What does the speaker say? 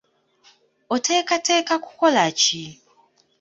Oteekateeka kukola ki?